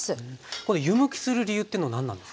これ湯むきする理由というのは何なんですか？